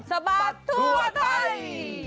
สะบัดทั่วไทย